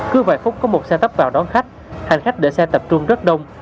cứ vài phút có một xe tấp vào đón khách hành khách để xe tập trung rất đông